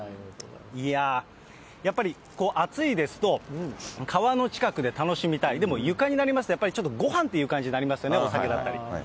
いやあ、やっぱり暑いですと、川の近くで楽しみたい、でも床になりますと、やっぱりちょっとごはんっていう感じになりますよね、お酒だったり。